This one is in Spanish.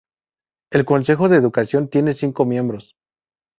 El consejo de educación tiene cinco miembros.